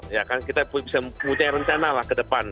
ya kan kita bisa mempunyai rencana lah ke depan